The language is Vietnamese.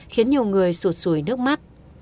khiến nhiều người sụt sùi nước mắt